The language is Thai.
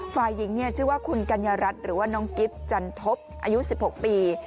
ฝ่ายหญิงชื่อว่าคุณกัญญารัฐหรือว่าน้องกิฟต์จันทบอายุ๑๖ปี